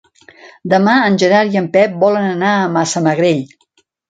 Demà en Gerard i en Pep volen anar a Massamagrell.